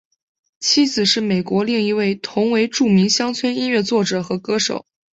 妻子是美国另一位同为著名乡村音乐作者和歌手。